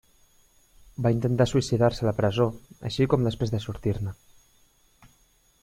Va intentar suïcidar-se a la presó, així com després de sortir-ne.